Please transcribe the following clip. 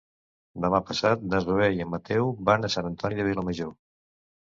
Demà passat na Zoè i en Mateu van a Sant Antoni de Vilamajor.